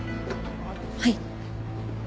はい。